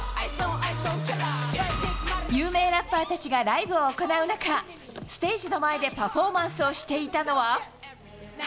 有名ラッパーたちがライブを行う中、ステージの前でパフォーマンスをしていたのは。